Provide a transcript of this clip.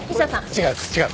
違う違う。